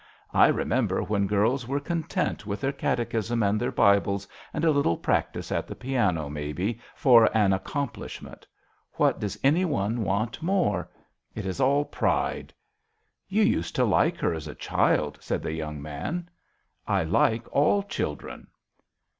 " I remember when girls were content with their Catechism and their Bibles and a little practice at the piano, maybe, for an accomplishment. What does any one want more ? It is all pride." " You used to like her as a child," said the young man. " I like all children."